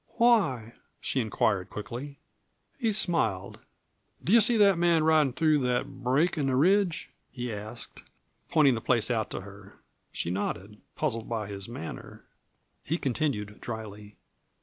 "Why?" she inquired quickly. He smiled. "Do you see that man ridin' through that break on the ridge?" he asked, pointing the place out to her. She nodded, puzzled by his manner. He continued dryly.